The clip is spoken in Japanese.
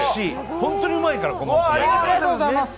本当にうまいから、この米。